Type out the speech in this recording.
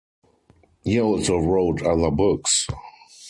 He also wrote other books.